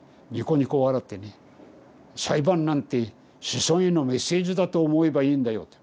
にこにこ笑ってね「裁判なんて『子孫へのメッセージ』だと思えばいいんだよ」